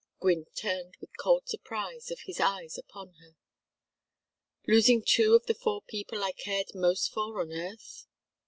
Gwynne turned the cold surprise of his eyes upon her. "Losing two of the four people I cared most for on earth?"